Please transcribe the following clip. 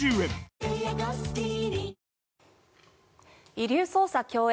「遺留捜査」共演